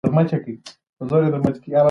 ایا انټرنیټ ستا روحیه قوي کوي؟